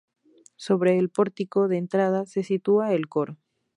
Sobre el pórtico de entrada se sitúa el coro.